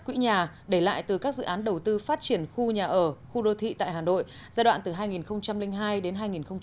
quỹ nhà để lại từ các dự án đầu tư phát triển khu nhà ở khu đô thị tại hà nội giai đoạn từ hai nghìn hai đến hai nghìn một mươi